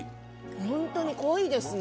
本当に濃いですね